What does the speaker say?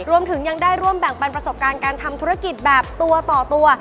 รวมถึงยังได้ร่วมแบ่งปันประสบการณ์การทำธุรกิจแบบตัวต่อตัว